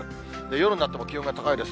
夜になっても気温が高いですね。